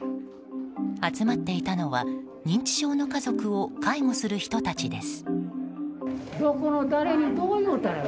集まっていたのは認知症の家族を介護する人たちです。